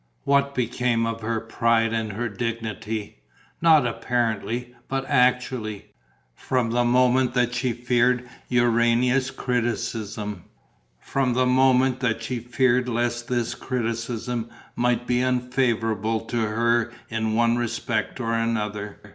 What became of her pride and her dignity not apparently, but actually from the moment that she feared Urania's criticism, from the moment that she feared lest this criticism might be unfavourable to her in one respect or another?